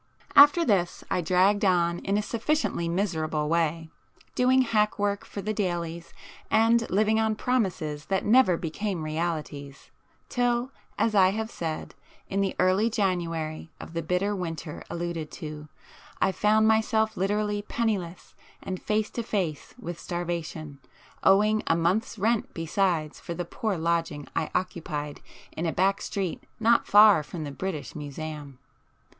After this I dragged on in a sufficiently miserable way, [p 5] doing 'hack work' for the dailies, and living on promises that never became realities, till, as I have said, in the early January of the bitter winter alluded to, I found myself literally penniless and face to face with starvation, owing a month's rent besides for the poor lodging I occupied in a back street not far from the British Museum.